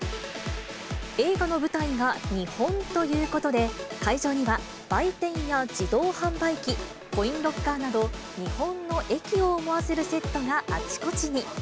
映画の舞台が日本ということで、会場には売店や自動販売機、コインロッカーなど、日本の駅を思わせるセットがあちこちに。